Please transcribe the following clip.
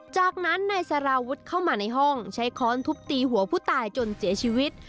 จากนั้นนายสารวุฒิเข้ามาในห้องใช้ค้อนทุบตีหัวผู้ตายจนเสียชีวิต